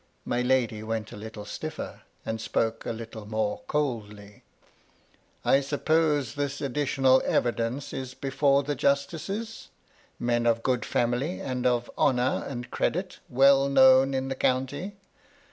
My lady went a little stiflFer, and spoke a little more coldly :— "I suppose this additional evidence is before the justices; men of good family, and of honour and credit, well known in the county.